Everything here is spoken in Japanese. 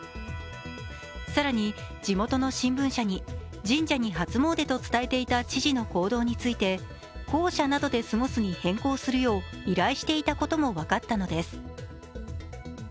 更に、地元の新聞社に神社に初詣と伝えていた知事の行動について、公舎などで過ごすに変更するよう依頼していたことも分かったのです。